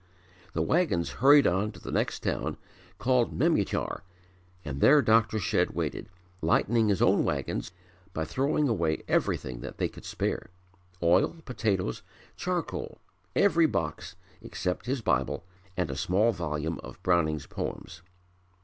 The wagons hurried on to the next town called Memetyar and there Dr. Shedd waited, lightening his own wagons by throwing away everything that they could spare oil, potatoes, charcoal, every box except his Bible and a small volume of Browning's Poems.